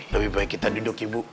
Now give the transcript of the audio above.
lebih baik kita duduk ibu